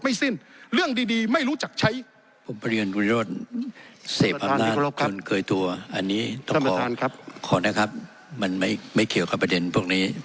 มันไม่ขีดการประแดทนพวกนี้